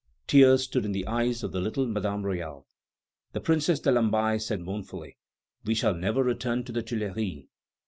Tears stood in the eyes of the little Madame Royale. The Princess de Lamballe said mournfully: "We shall never return to the Tuileries!"